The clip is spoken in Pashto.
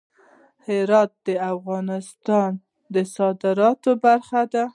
هرات د افغانستان د صادراتو برخه ده.